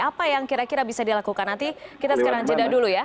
apa yang kira kira bisa dilakukan nanti kita sekarang jeda dulu ya